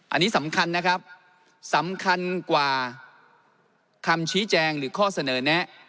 อันนี้สำคัญนะครับสำคัญกว่าคำชี้แจงหรือข้อเสนอแนะ